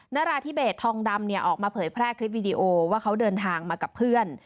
นาราธิเบสทองดำเนี่ยออกมาเผยแพร่คลิปวิดีโอว่าเขาเดินทางมากับเพื่อน